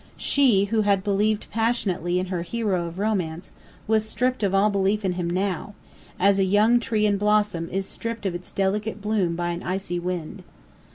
She who had believed passionately in her hero of romance was stripped of all belief in him now, as a young tree in blossom is stripped of its delicate bloom by an icy wind.